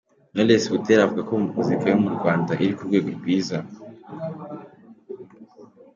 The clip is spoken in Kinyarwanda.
Knowless Butera avuga ko muzika yo mu Rwanda iri ku rwego rwiza.